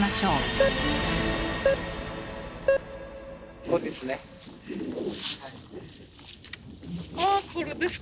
あこれですか？